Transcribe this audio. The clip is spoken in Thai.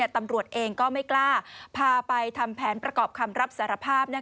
ตำรวจเองก็ไม่กล้าพาไปทำแผนประกอบคำรับสารภาพ